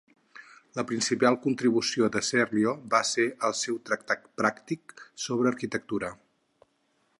La principal contribució de Serlio va ser el seu tractat pràctic sobre arquitectura.